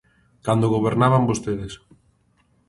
Cando gobernaban vostedes.